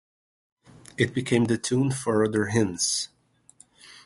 It became the tune for other hymns.